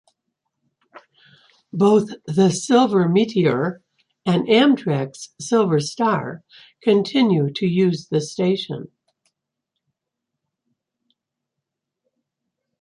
Both the "Silver Meteor" and Amtrak's "Silver Star" continue to use the station.